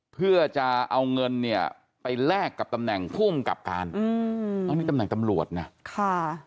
เพื่อจะเอาเงินเนี่ยไปแลกกับตำแหน่งภูมิกับการอืมอันนี้ตำแหน่งตำรวจนะค่ะ